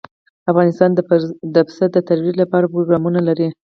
افغانستان د پسه د ترویج لپاره پروګرامونه لري.